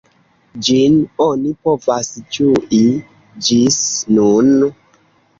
Ĝin oni povas ĝui ĝis nun.